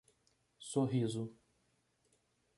Sorriso